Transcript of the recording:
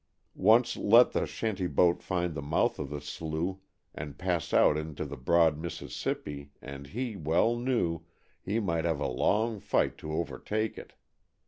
Once let the shanty boat find the mouth of the slough and pass out into the broad Mississippi and, he well knew, he might have a long fight to overtake it.